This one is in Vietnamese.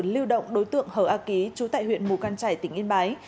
lưu động đối tượng hở a ký chú tại huyện mù căn trải tỉnh yên bái